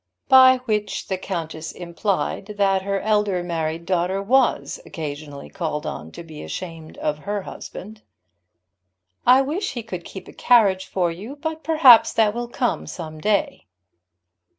By which the countess implied that her elder married daughter was occasionally called on to be ashamed of her husband. "I wish he could keep a carriage for you, but perhaps that will come some day."